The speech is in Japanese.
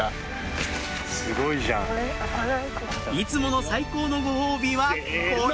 いつもの最高のご褒美はこれ！